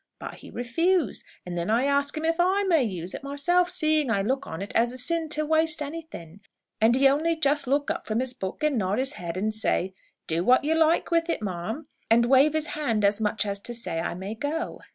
But he refuse; and then I ask him if I may use it myself, seeing I look on it as a sin to waste anything; and he only just look up from his book and nod his head, and say, 'Do what you like with it, ma'am,' and wave his hand as much as to say I may go.